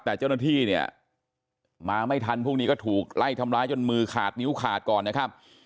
แต่เจ้าหน้าที่เนี่ยมาไม่ทันพวกนี้ก็ถูกไล่ทำร้ายจนมือขาดนิ้วขาดก่อนนะครับ